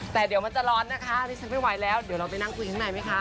แต่เดี๋ยวมันจะร้อนนะคะนี่ฉันไม่ไหวแล้วเดี๋ยวเราไปนั่งคุยข้างในไหมคะ